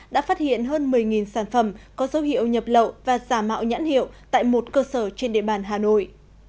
đã phát hiện hơn một mươi sản phẩm có dấu hiệu nhập lậu và giả mạo nhãn hiệu tại một cơ sở trên địa bàn hà nội